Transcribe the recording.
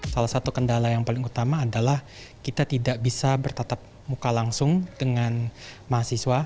salah satu kendala yang paling utama adalah kita tidak bisa bertatap muka langsung dengan mahasiswa